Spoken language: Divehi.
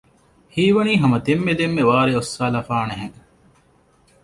ހީވަނީ ހަމަ ދެންމެ ދެންމެ ވާރޭ އޮއްސާލައިފާނެ ހެން